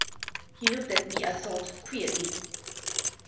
He looked at me, I thought, queerly.